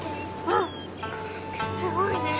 あっすごいね。